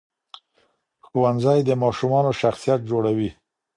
ښوونځی د ماشومانو شخصیت جوړوي.